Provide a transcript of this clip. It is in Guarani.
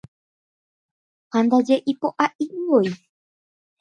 Ha ndaje ipoʼaʼimivoi.